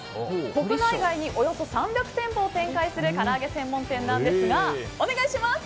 国内外におよそ３００店舗を展開するからあげ専門店ですがお願いします。